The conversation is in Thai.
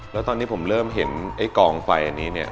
แล้วตอนนี้ผมเริ่มเห็นไอ้กองไฟอันนี้เนี่ย